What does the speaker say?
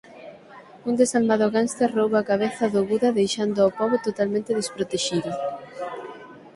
Un desalmado gánster rouba a cabeza do Buda deixando ó pobo totalmente desprotexido.